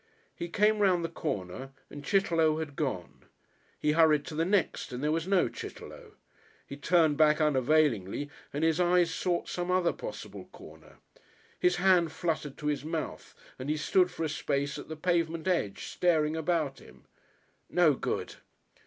He came round the corner and Chitterlow had gone; he hurried to the next and there was no Chitterlow, he turned back unavailingly and his eyes sought some other possible corner. His hand fluttered to his mouth and he stood for a space at the pavement edge, staring about him. No good!